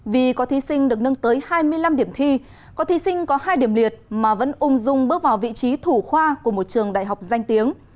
vì có thí sinh được nâng tới hai mươi năm điểm thi có thí sinh có hai điểm liệt mà vẫn ung dung bước vào vị trí thủ khoa của một trường đại học danh tiếng